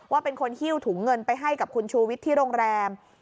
ว่าเป็นคนฮิ้วถุงเงินไปให้กับคุณชูวิทย์ที่โรงแรม